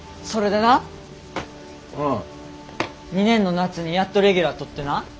２年の夏にやっとレギュラーとってな。